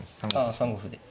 あ３五歩で。